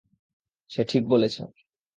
সে ঠিক বলেছে।